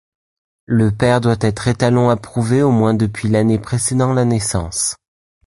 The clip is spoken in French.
Le père doit être étalon approuvé au moins depuis l'année précédant la naissance.